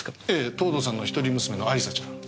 藤堂さんの一人娘の亜里沙ちゃん９歳。